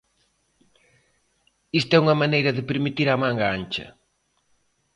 Isto é unha maneira de permitir a manga ancha.